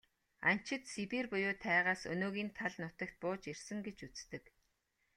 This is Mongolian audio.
Анчид Сибирь буюу тайгаас өнөөгийн тал нутагт бууж ирсэн гэж үздэг.